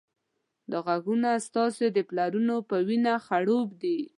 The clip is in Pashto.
دا غرونه ستاسې د پلرونو په وینه خړوب دي.